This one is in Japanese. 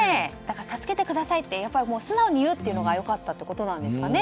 助けてくださいって素直に言うのが良かったってことなんですかね。